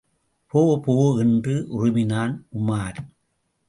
போபோ! என்று உறுமினான் உமார்.